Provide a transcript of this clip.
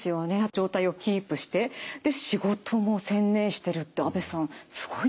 状態をキープして仕事も専念してるって阿部さんすごいですね。